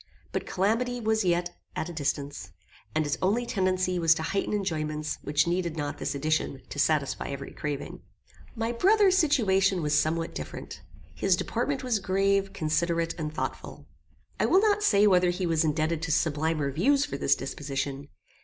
But calamity was yet at a distance, and its only tendency was to heighten enjoyments which needed not this addition to satisfy every craving. My brother's situation was somewhat different. His deportment was grave, considerate, and thoughtful. I will not say whether he was indebted to sublimer views for this disposition.